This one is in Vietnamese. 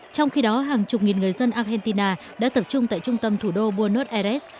trong khi đó hàng chục nghìn người dân argentina đã tập trung tại trung tâm thủ đô buenos aires